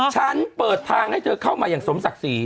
ฉันเปิดทางให้เธอเข้ามาอย่างสมศักดิ์ศรี